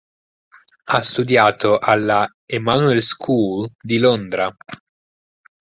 Ha studiato alla Emanuel School di Londra.